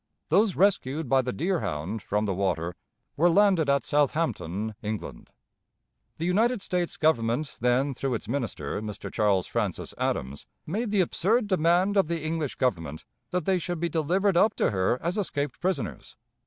Those rescued by the Deerhound from the water were landed at Southampton, England. The United States Government then, through its minister, Mr. Charles Francis Adams, made the absurd demand of the English Government that they should be delivered up to her as escaped prisoners.